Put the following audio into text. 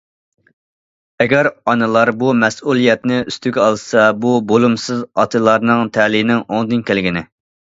ئەگەر ئانىلار بۇ مەسئۇلىيەتنى ئۈستىگە ئالسا، بۇ بولۇمسىز ئاتىلارنىڭ تەلىيىنىڭ ئوڭدىن كەلگىنى.